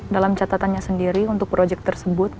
dalam catatannya sendiri untuk proyek tersebut